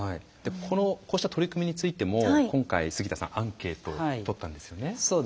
こうした取り組みについても今回杉田さんアンケートをとったんですよね。